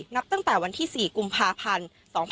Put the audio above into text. นับตั้งแต่วันที่๔กุมภาพันธ์๒๕๖๒